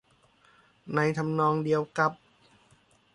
ในทำนองเดียวกับ